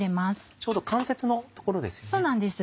ちょうど関節の所ですよね。